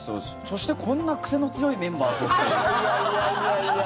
そして、こんな癖の強いメンバーとっていう。